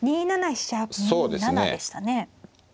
２七でしたね。